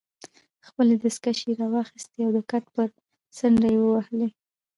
خپلې دستکشې يې راواخیستې او د کټ پر څنډه ېې ووهلې.